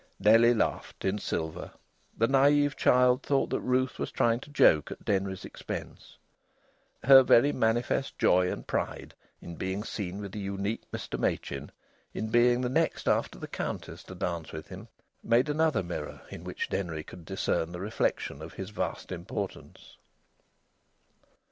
Nellie laughed, in silver. The naïve child thought that Ruth was trying to joke at Denry's expense. Her very manifest joy and pride in being seen with the unique Mr Machin, in being the next after the Countess to dance with him, made another mirror in which Denry could discern the reflection of his vast importance.